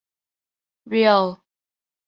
เรียล